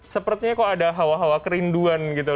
sepertinya kok ada hawa hawa kerinduan gitu